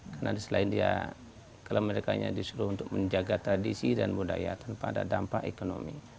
karena selain dia kalau mereka disuruh untuk menjaga tradisi dan budaya tanpa ada dampak ekonomi